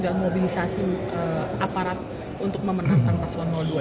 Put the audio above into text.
dalam mobilisasi aparat untuk memenangkan paswala